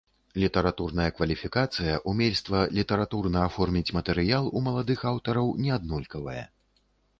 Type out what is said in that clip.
Літаратурная кваліфікацыя, умельства літаратурна аформіць матэрыял у маладых аўтараў неаднолькавае.